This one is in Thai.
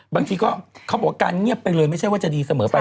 บางทีก็เค้ากลายเหนียวไปเลยไม่ใช่ว่าจะดีเสมอไป